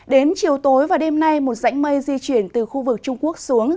đến chiều tối và đêm nay một rãnh mây di chuyển từ khu vực trung quốc xuống